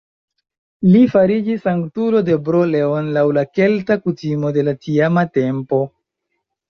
Li fariĝis sanktulo de Bro-Leon laŭ la kelta kutimo de la tiama tempo.